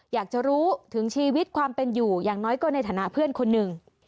อยากจะรู้ถึงชีวิตความเป็นอยู่อย่างน้อยก็ในฐานะเพื่อนคนหนึ่ง